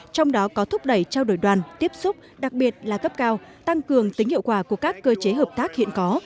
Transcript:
trong đó có thúc đẩy trao đổi đoàn tiếp xúc đặc biệt là cấp cao tăng cường tính hiệu quả của các cơ chế hợp tác hiện có